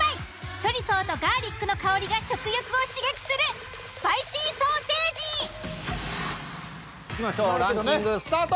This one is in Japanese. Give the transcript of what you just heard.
チョリソーとガーリックの香りが食欲を刺激するスパイシーソーセージ。いきましょうランキングスタート。